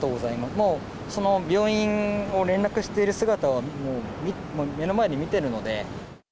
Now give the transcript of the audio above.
もうその病院を、連絡している姿を目の前で見てるので。